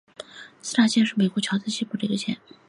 施莱县是美国乔治亚州西部的一个县。